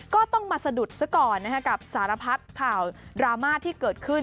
ก็ต้องมาสะดุดซะก่อนกับสารพัดข่าวดราม่าที่เกิดขึ้น